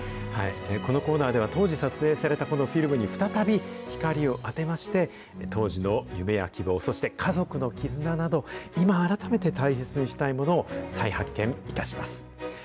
このコーナーでは、当時撮影されたこのフィルムに再び光を当てまして、当時の夢や希望、そして家族の絆など、今改めて大切にしたいものを再発見いたします。